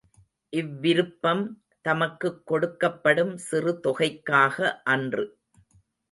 இவ்விருப்பம் தமக்குக் கொடுக்கப்படும் சிறு தொகைக்காக அன்று.